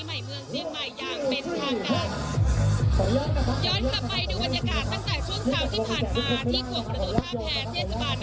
มากันกี่คนยังไงเป็นคนที่ไหนยังไงคะที่มาเที่ยวกันที่เมยาท์